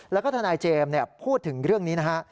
แล้วก็ทนายเจมส์พูดถึงเรื่องนี้นะฮะ